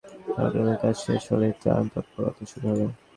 মাঠপর্যায়ে ক্ষতিগ্রস্তদের তালিকা সংগ্রহের কাজ শেষ হলেই ত্রাণ তৎপরতা শুরু হবে।